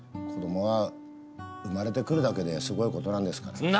子供は生まれてくるだけですごい事なんですから。